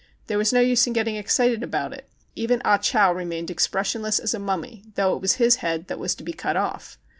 There was no use in getting excited about it. Even Ah Chow remained ex pressionless as a mummy, though it was his head that was to be cut off.